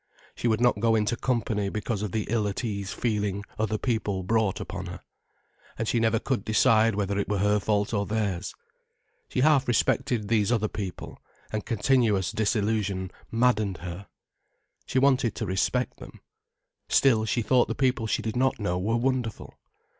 She would not go into company because of the ill at ease feeling other people brought upon her. And she never could decide whether it were her fault or theirs. She half respected these other people, and continuous disillusion maddened her. She wanted to respect them. Still she thought the people she did not know were wonderful.